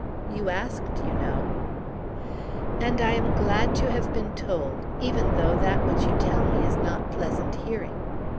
"You asked, you know." "And I am glad to have been told, even though that which you tell me is not pleasant hearing.